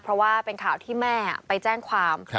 เพราะว่าเป็นข่าวที่แม่ไปแจ้งความ